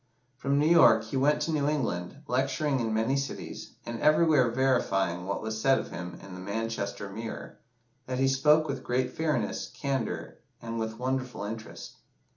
From New York he went to New England, lecturing in many cities, and everywhere verifying what was said of him in the "Manchester Mirror," that he spoke with great fairness, candour, and with wonderful interest.